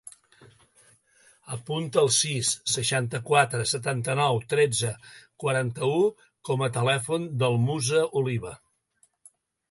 Apunta el sis, seixanta-quatre, setanta-nou, tretze, quaranta-u com a telèfon del Musa Oliva.